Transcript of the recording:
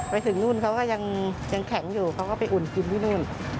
ไปถึงนู่นเขาก็ยังแข็งอยู่เขาก็ไปอุ่นกินที่นู่น